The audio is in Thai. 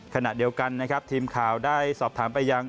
ขณะเดียวกันนะครับทีมข่าวได้สอบถามไปยัง